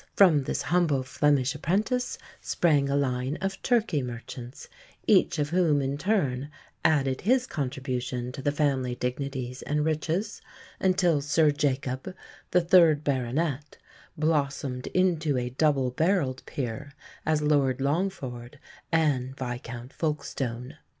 From this humble Flemish apprentice sprang a line of Turkey merchants, each of whom in turn added his contribution to the family dignities and riches, until Sir Jacob, the third Baronet, blossomed into a double barrelled peer as Lord Longford and Viscount Folkestone.